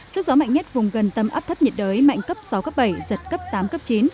sức gió mạnh nhất vùng gần tâm áp thấp nhiệt đới mạnh cấp sáu giật cấp tám giật cấp chín